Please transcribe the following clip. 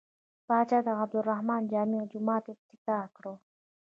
پاچا د عبدالرحمن جامع جومات افتتاح کړ.